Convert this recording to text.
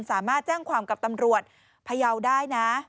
สามารถแจ้งความกับตำรวจพยาวได้นะ